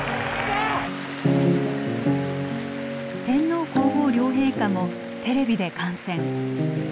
天皇皇后両陛下もテレビで観戦。